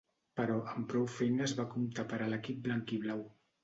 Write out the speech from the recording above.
Però, amb prou feines va comptar per a l'equip blanc-i-blau.